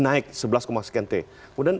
naik sebelas sekian t kemudian